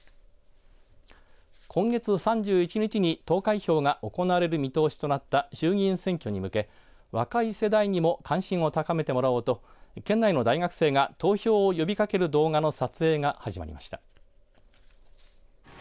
今月３１日に投開票が行われる見通しとなった衆議院選挙に向け、若い世代にも関心を高めてもらおうと県内の大学生が投票を呼びかける動画の撮影が始まりました。